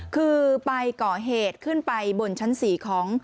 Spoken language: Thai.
คือไปก่อเหตุขึ้นไปบนชั้น๔ของ